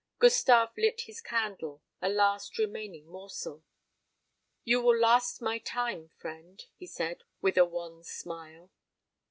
Gustave lit his candle, a last remaining morsel. "You will last my time, friend," he said, with a wan smile.